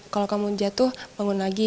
kalau kamu jatuh bangun lagi